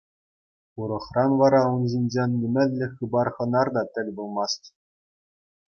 Урӑхран вара ун ҫинчен нимӗнле хыпар-хӑнар та тӗл пулмасть.